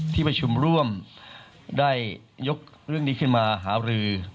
ที่ประชุมร่วมได้ยกเรื่องนี้ขึ้นมาหารือ